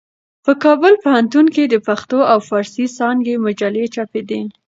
په کابل پوهنتون کې د پښتو او فارسي څانګې مجلې چاپېدې.